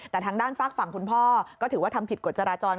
แต่ทางด้านฝากฝั่งคุณพ่อก็ถือว่าทำผิดกฎจราจร